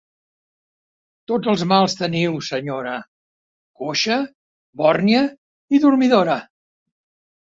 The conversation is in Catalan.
Tots els mals teniu, senyora: coixa, bòrnia i dormidora.